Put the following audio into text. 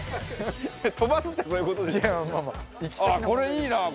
これいいな。